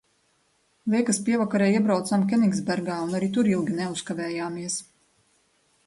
Liekas, pievakarē iebraucām Keningsbergā un arī tur ilgi neuzkavējamies.